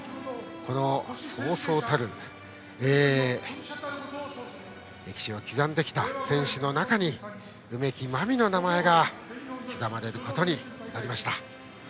そうそうたる歴史を刻んできた選手の中に梅木真美の名前が刻まれることになりました。